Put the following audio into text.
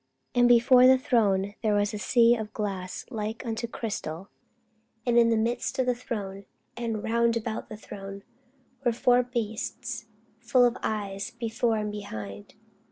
And before the throne there was a sea of glass like unto crystal: and in the midst of the throne, and round about the throne, were four beasts full of eyes before and behind.